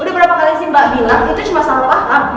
udah berapa kali sih mbak bilang itu cuma sampah